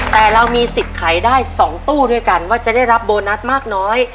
แต่เรามีสิทธิ์ขายได้๒ตู้ด้วยกันว่าจะได้รับโบนัสมากน้อย